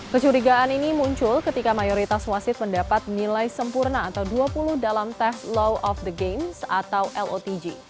kecurigaan ini muncul ketika mayoritas wasit mendapat nilai sempurna atau dua puluh dalam tes law of the games atau lotg